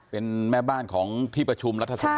เป็นแม่บ้านของที่ประชุมรัฐสภา